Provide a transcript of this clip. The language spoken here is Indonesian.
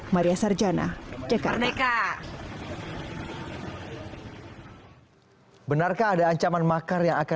maria sarjana jakarta